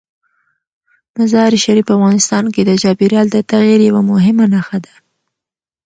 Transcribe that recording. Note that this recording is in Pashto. مزارشریف په افغانستان کې د چاپېریال د تغیر یوه مهمه نښه ده.